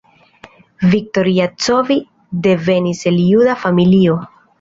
Viktor Jacobi devenis el juda familio.